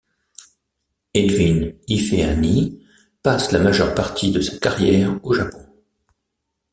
Edwin Ifeanyi passe la majeure partie de sa carrière au Japon.